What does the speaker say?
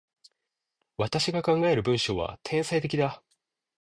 私が考える文章は、天才的だ。